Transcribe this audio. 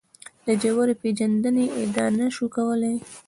د ژورې پېژندنې ادعا نه شو کولای.